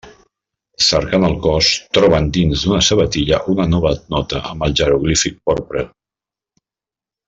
Cercant el cos, troben dins d’una sabatilla una nova nota amb el jeroglífic porpra.